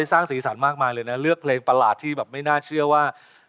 ต้องยอมให้ใจเช้า